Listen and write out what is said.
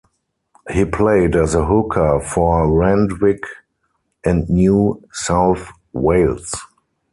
He played as a hooker for Randwick and New South Wales.